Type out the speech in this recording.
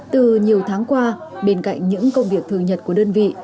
từ nhiều tháng qua bên cạnh những công việc thường nhật của đơn vị